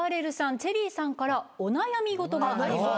チェリーさんからお悩み事があります。